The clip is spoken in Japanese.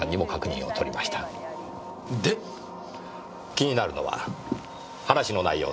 気になるのは話の内容です。